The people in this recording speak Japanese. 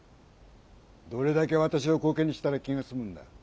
どれだけ私をコケにしたら気が済むんだ！